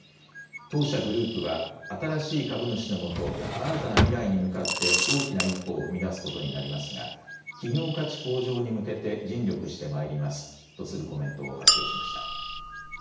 当社グループは新しい株主のもと新たな未来に向かって大きな一歩を踏み出すことになりますが企業価値向上に向けて尽力してまいりますとするコメントを発表しました。